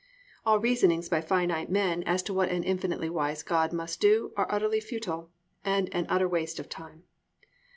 All reasonings by finite men as to what an Infinitely wise God must do are utterly futile and an utter waste of time.